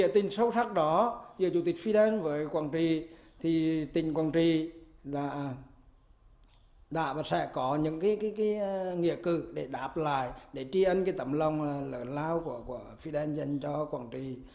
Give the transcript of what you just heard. tuy nhiên đạo đạo sẽ có những nghị cử để đáp lại để tri ân tấm lòng lớn lao của fidel dành cho quảng trị